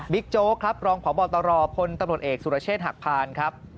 โจ๊กครับรองพบตรพลตำรวจเอกสุรเชษฐหักพานครับ